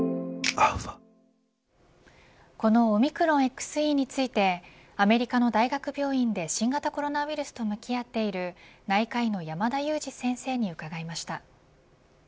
このオミクロンＸＥについてアメリカの大学病院で新型コロナウイルスと向き合っている内科医の山田悠史先生に伺いました。